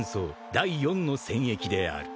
第四の戦役である］